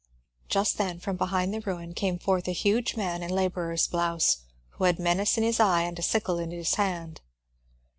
Just then from behind the ruin came forth a huge man in labourer's blouse, who had menace in his eye and a sickle in his hand.